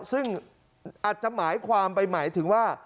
ซึ่งอาจจะหมายความไปหมายถึงว่า